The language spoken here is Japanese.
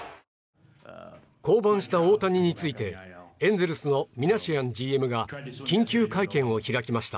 降板した大谷についてエンゼルスのミナシアンＧＭが緊急会見を開きました。